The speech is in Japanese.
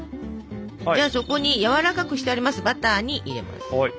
じゃあそこにやわらかくしてありますバターに入れます。